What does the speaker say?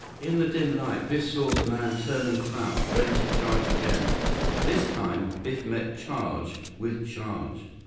In the dim light, Biff saw the man turn and crouch, ready to charge again. This time, Biff met charge with charge.